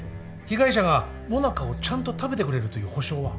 被害者がモナカをちゃんと食べてくれるという保証は？